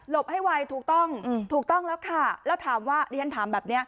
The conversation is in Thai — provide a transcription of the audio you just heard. ให้ไวถูกต้องถูกต้องแล้วค่ะแล้วถามว่าดิฉันถามแบบนี้